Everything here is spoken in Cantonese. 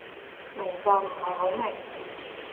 明就唔係好明